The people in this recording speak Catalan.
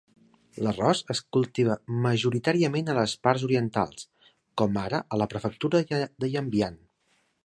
L'arròs es cultiva majoritàriament a les parts orientals, com ara a la prefectura de Yanbian.